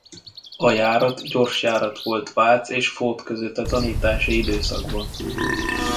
A járat gyorsjárat volt Vác és Fót között a tanítási időszakban.